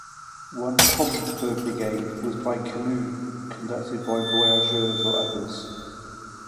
One common fur brigade was by canoe, conducted by voyageurs or others.